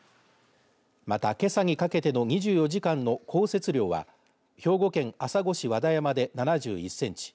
また、けさにかけての２４時間の降雪量は兵庫県朝来市和田山で７１センチ。